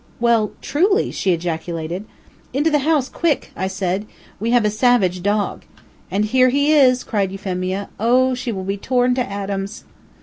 "Well, truly!" she ejaculated. "Into the house, quick!" I said. "We have a savage dog!" "And here he is!" cried Euphemia. "Oh! she will be torn to atoms."